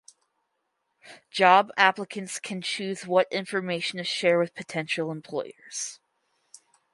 Job applicants can choose what information to share with potential employers.